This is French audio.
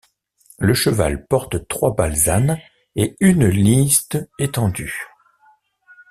Le cheval porte trois balzanes et une liste étendue.